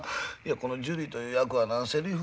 このジュリィという役はなセリフ